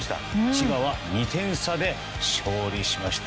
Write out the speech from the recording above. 千葉は２点差で勝利しました。